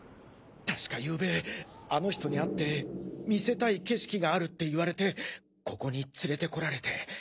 確か昨夜あの人に会って見せたい景色があるって言われてここに連れて来られて